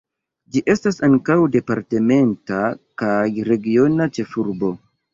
Ĝi estas ankaŭ departementa kaj regiona ĉefurbo.